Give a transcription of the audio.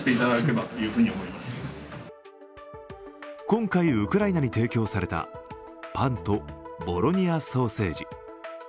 今回、ウクライナに提供されたパンとボロニアソーセージ。